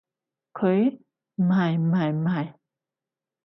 佢？唔係唔係唔係